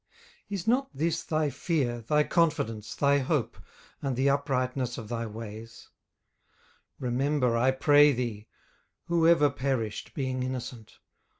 18:004:006 Is not this thy fear, thy confidence, thy hope, and the uprightness of thy ways? 18:004:007 Remember, I pray thee, who ever perished, being innocent?